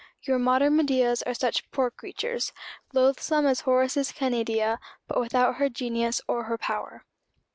Your modern Medeas are such poor creatures loathsome as Horace's Canidia, but without her genius or her power.